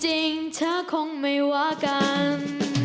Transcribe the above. จริงเธอคงไม่ว่ากัน